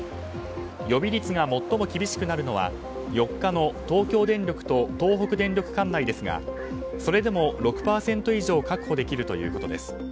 予備率が最も厳しくなるのは４日の東京電力と東北電力管内ですがそれでも６％以上確保できるということです。